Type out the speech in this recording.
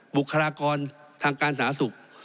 บุคลากรทางการสนาสุข